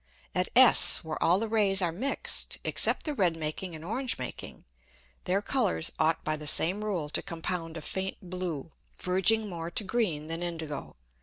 At S where all the Rays are mixed, except the red making and orange making, their Colours ought by the same Rule to compound a faint blue, verging more to green than indigo.